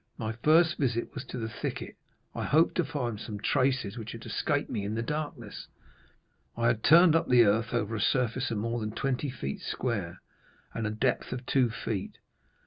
My first visit was to the thicket. I hoped to find some traces which had escaped me in the darkness. I had turned up the earth over a surface of more than twenty feet square, and a depth of two feet.